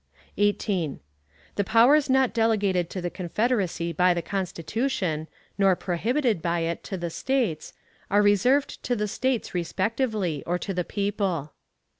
18. The powers not delegated to the Confederacy by the Constitution, nor prohibited by it to the States, are reserved to the States respectively, or to the people.